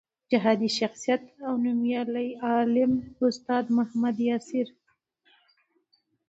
جهادي شخصیت او نومیالی عالم استاد محمد یاسر